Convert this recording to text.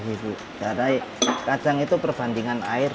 karena kacang itu perbandingan air